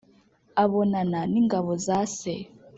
abonana n'ingabo za se